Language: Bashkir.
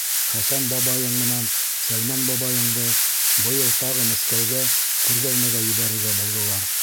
Хәсән бабайың менән Сәлмән бабайыңды быйыл тағы Мәскәүгә күргәҙмәгә ебәрергә булдылар.